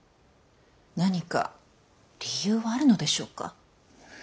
何か理由はあるのでしょうか？